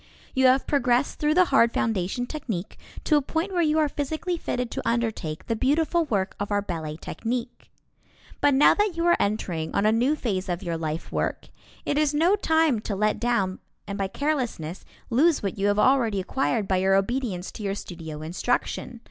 You have progressed through the hard foundation technique to a point where you are physically fitted to undertake the beautiful work of our ballet technique. But now that you are entering on a new phase of your life work, it is no time to let down and by carelessness lose what you have already acquired by your obedience to your studio instruction.